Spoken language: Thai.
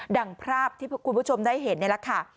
ดั่งภาพที่คุณผู้ชมได้เห็นเลยค่ะ